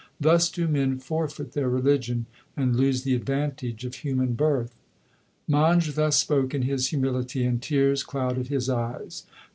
Thus do men forfeit their religion and lose the advantage of human birth. Man] thus spoke in his humility and tears clouded his eyes.